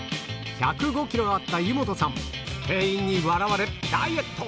１０５ｋｇあった湯本さん店員に笑われダイエット！